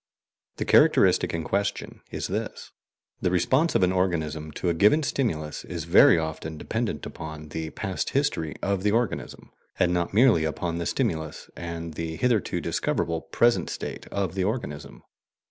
The characteristic in question is this: The response of an organism to a given stimulus is very often dependent upon the past history of the organism, and not merely upon the stimulus and the HITHERTO DISCOVERABLE present state of the organism.